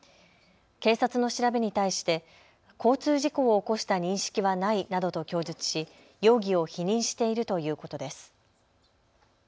警察の調べに対して交通事故を起こした認識はないなどと供述し容疑を否認しているということです。